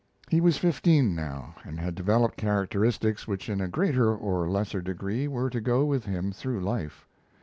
He was fifteen now, and had developed characteristics which in a greater or less degree were to go with him through life.